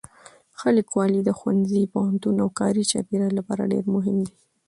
ښه لیکوالی د ښوونځي، پوهنتون او کاري چاپېریال لپاره ډېر مهم دی.